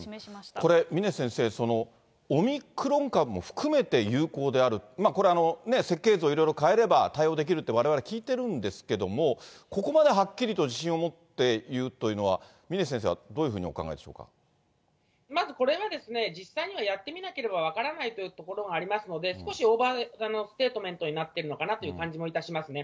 これ、峰先生、オミクロン株も含めて有効である、これは、設計図を色々変えれば対応できるとわれわれ、聞いているんですけども、ここまではっきりと自信を持って言うというのは、峰先生は、まずこれは、実際にはやってみなければ分からないというところがありますので、少しオーバーステートメントになっているのかなという感じもいたしますね。